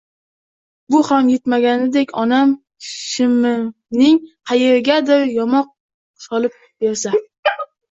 Bu ham yetmaganidek, onam shimimning qayerigadir yamoq solib bersa